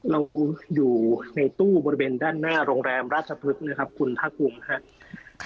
อยู่ในตู้บริเวณด้านหน้าโรงแรมราชพฤกษ์นะครับคุณภาคภูมิครับ